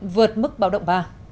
vượt mức bạo động ba